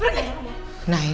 nah nah nah